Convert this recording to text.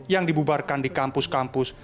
yang dibubarkan di kampus kampus